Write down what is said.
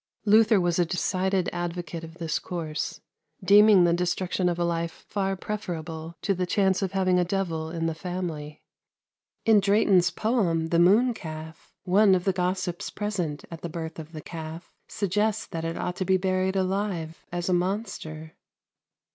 Luther was a decided advocate of this course, deeming the destruction of a life far preferable to the chance of having a devil in the family. In Drayton's poem, "The Mooncalf," one of the gossips present at the birth of the calf suggests that it ought to be buried alive as a monster.